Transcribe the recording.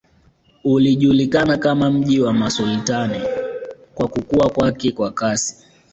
Ulijulikana kama mji wa masultani kwa kukua kwake kwa kasi